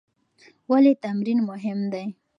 ولې تمرین مهم دی؟